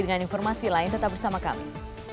dengan informasi lain tetap bersama kami